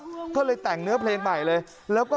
และก็มีการกินยาละลายริ่มเลือดแล้วก็ยาละลายขายมันมาเลยตลอดครับ